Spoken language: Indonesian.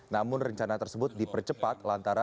namun rencana tersebut dipercepat lantaran